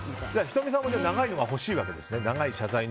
仁美さんも長いのが欲しいわけですか。